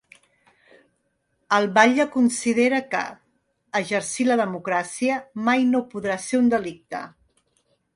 El batlle considera que ‘exercir la democràcia mai no podrà ser un delicte’.